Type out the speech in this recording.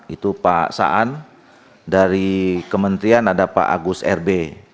itu pak saan dari kementerian ada pak agus rb